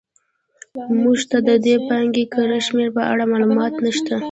موږ ته د دې پانګې کره شمېر په اړه معلومات نه شته.